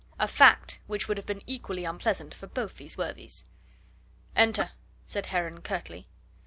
A fact which would have been equally unpleasant for both these worthies. "Enter!" said Heron curtly.